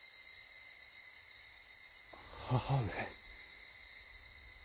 母上。